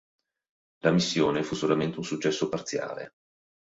La missione fu solamente un successo parziale.